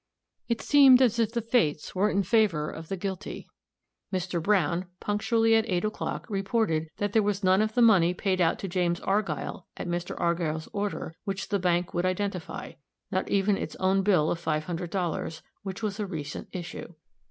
It seemed as if the Fates were in favor of the guilty. Mr. Browne, punctually at eight o'clock, reported that there was none of the money paid out to James Argyll at Mr. Argyll's order, which the bank would identify not even its own bill of five hundred dollars, which was a recent issue.